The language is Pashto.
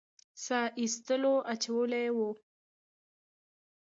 ساه ایستلو اچولي وو.